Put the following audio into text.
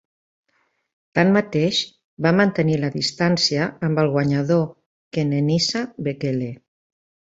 Tanmateix, va mantenir la distància amb el guanyador Kenenisa Bekele.